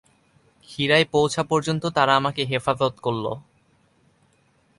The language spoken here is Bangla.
হীরায় পৌঁছা পর্যন্ত তারা আমাকে হেফাজত করল।